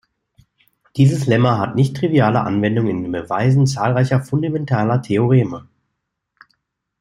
Dieses Lemma hat nichttriviale Anwendungen in den Beweisen zahlreicher fundamentaler Theoreme.